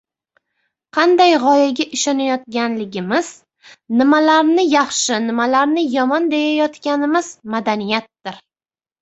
qanday g‘oyaga ishonayotganligimiz, nimalarni yaxshi, nimalarni yomon, deyayotganimiz – madaniyatdir.